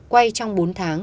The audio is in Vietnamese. quay trong bốn tháng